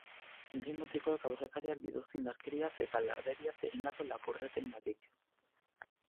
Bi mutikoek aurrekariak dituzte indarkeriaz eta larderiaz egindako lapurretengatik.